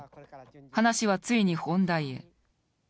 話はついに本題へ。